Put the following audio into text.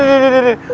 dih dih dih dih